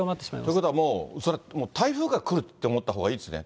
ということはもう、台風が来るって思ったほうがいいですね。